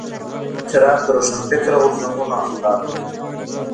اعتراف د روښانفکره غورځنګونو اخلاق وي.